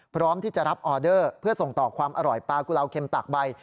พร้อมที่จะรับออเดอร์เพื่อส่งต่อความอร่อยปลากุลาวเค็มตากใบ